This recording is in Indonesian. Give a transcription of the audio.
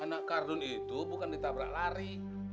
anak kardun itu bukan ditabrak lari